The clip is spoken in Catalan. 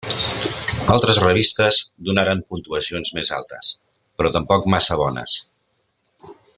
Altres revistes donaren puntuacions més altes, però tampoc massa bones.